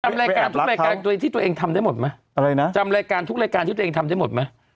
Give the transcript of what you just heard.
ทำรายการทุกรายการตัวเองที่ตัวเองทำได้หมดไหมอะไรนะจำรายการทุกรายการที่ตัวเองทำได้หมดไหม